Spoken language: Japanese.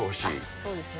そうですね。